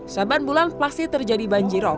saban bulan pasti terjadi banjir op